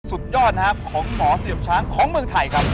สุดยอดของหมอสิดข์ช้างของเมืองไถค์ครับ